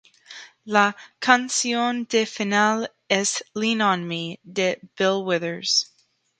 La canción del final es "Lean on Me" de Bill Withers.